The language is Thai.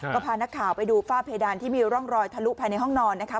ก็พานักข่าวไปดูฝ้าเพดานที่มีร่องรอยทะลุภายในห้องนอนนะคะ